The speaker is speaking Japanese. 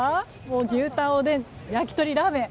牛タン、おでん焼き鳥、ラーメン。